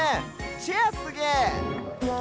チェアすげえ！